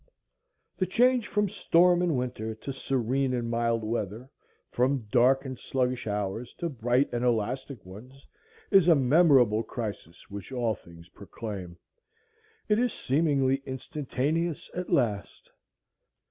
The change from storm and winter to serene and mild weather, from dark and sluggish hours to bright and elastic ones, is a memorable crisis which all things proclaim. It is seemingly instantaneous at last.